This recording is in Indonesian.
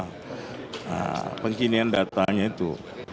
nah pengkinian datanya itu